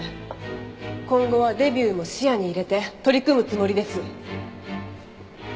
今後はデビューも視野に入れて取り組むつもりです。